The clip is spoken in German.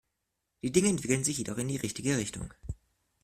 Die Dinge entwickeln sich jedoch in die richtige Richtung.